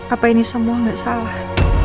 apa ini semua nggak salah